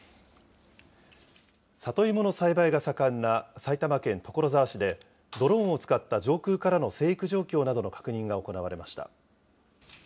里芋の栽培が盛んな埼玉県所沢市で、ドローンを使った上空からの生育状況などの確認が行われました。